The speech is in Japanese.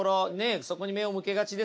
そこに目を向けがちですよね。